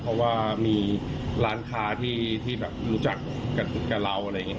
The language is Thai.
เพราะว่ามีร้านค้าที่แบบรู้จักกับเราอะไรอย่างนี้